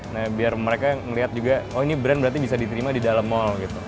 nah biar mereka ngelihat juga oh ini brand berarti bisa diterima di dalam mall gitu